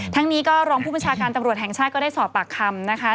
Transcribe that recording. ทั้งนี้ก็รองผู้บัญชาการตำรวจแห่งชาติก็ได้สอบปากคำนะคะ